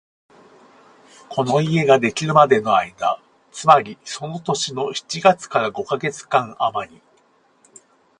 この家ができるまでの間、つまりその年の七月から五カ月間あまり、